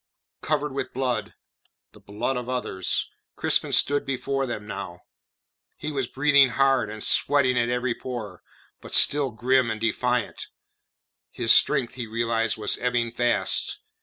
Covered with blood the blood of others Crispin stood before them now. He was breathing hard and sweating at every pore, but still grim and defiant. His strength, he realized, was ebbing fast.